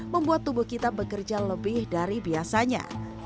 membuat tubuh kita bekerja lebih dari biasanya